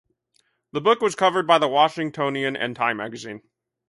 The book was covered by the Washingtonian and Time magazine.